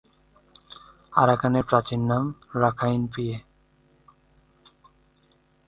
আরাকানের প্রাচীন নাম ‘রাখাইনপিয়ে’।